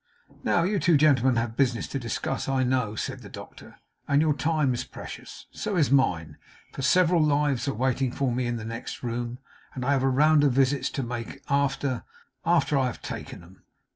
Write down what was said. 'Now you two gentlemen have business to discuss, I know,' said the doctor, 'and your time is precious. So is mine; for several lives are waiting for me in the next room, and I have a round of visits to make after after I have taken 'em.